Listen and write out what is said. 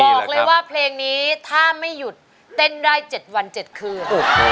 บอกเลยว่าเพลงนี้ถ้าไม่หยุดเต้นได้๗วัน๗คืน